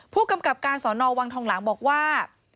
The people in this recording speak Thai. ผู้กำกับการสอนอวังทองหลางบอกว่า